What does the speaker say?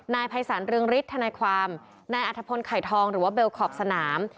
นายภัยศาลเรืองฤทธนายความนายอัธพลไข่ทองหรือว่าเบลขอบสนาม